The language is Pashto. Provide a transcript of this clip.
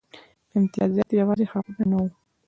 امتیازات یوازې حقونه نه وو.